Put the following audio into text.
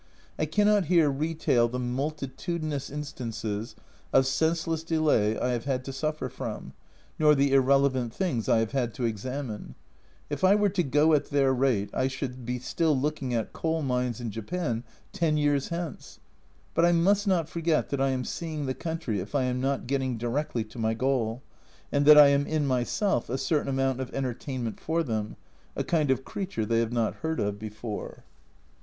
I cannot here retail the multitudinous instances of senseless delay I have had to suffer from, nor the irrelevant things I have had to examine. If I were to go at their rate I should be still looking at coal mines in Japan ten years hence. But I must not forget that I am seeing the country if I am not getting directly to my goal, and that I am in myself a certain amount of entertainment for them, a kind of creature they have not heard of before.